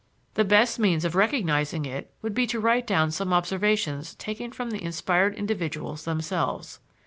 The best means of recognizing it would be to write down some observations taken from the inspired individuals themselves.